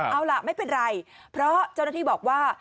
เอาล่ะไม่เป็นไรเพราะเจ้าหน้าที่บอกว่า